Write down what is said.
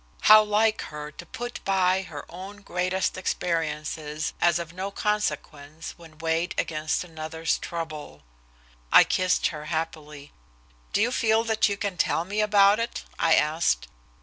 How like her to put by her own greatest experiences as of no consequence when weighed against another's trouble! I kissed her happily. "Do you feel that you can tell me about it?" I asked.